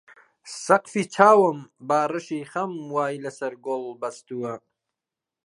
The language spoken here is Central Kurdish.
سەقفی چاوم باڕشی خەم وای لە سەر گۆل بەستووە